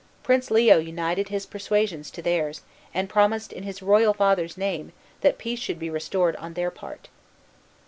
Prince Leo united his persuasions to theirs, and promised, in his royal father's name, that peace should be restored on their part.